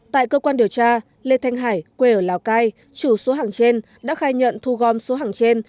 tại cơ quan điều tra lê thanh hải quê ở lào cai chủ số hàng trên đã khai nhận thu gom số hàng trên